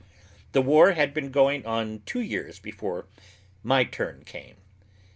The war had been going on two years before my turn came.